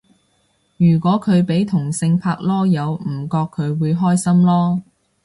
如果佢俾同性拍籮柚唔覺佢會開心囉